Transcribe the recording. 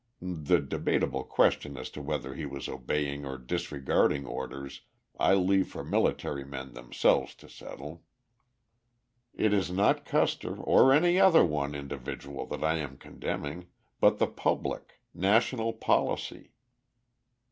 (The debatable question as to whether he was obeying or disregarding orders I leave for military men themselves to settle.) It is not Custer, or any other one individual, that I am condemning, but the public, national policy.